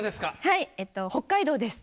はい北海道です。